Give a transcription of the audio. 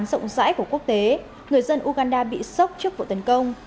trong trường trung học rộng rãi của quốc tế người dân uganda bị sốc trước vụ tấn công